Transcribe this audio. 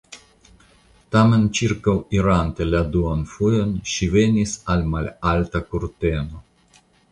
Tamen, ĉirkaŭirante la duan fojon, ŝi venis al malalta kurteno.